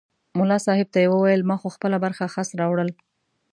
ملا صاحب ته یې وویل ما خو خپله برخه خس راوړل.